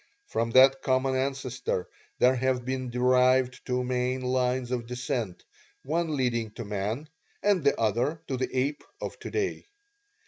From that common ancestor there have been derived two main lines of descent, one leading to man and the other to the ape of today.